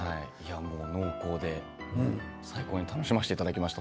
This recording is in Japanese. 濃厚で最高に楽しませていただきました。